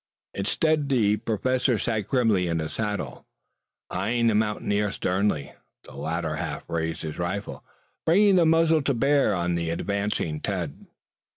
Instead the Professor sat grimly in his saddle, eyeing the mountaineer sternly. The latter half raised his rifle, bringing the muzzle to bear on the advancing Tad.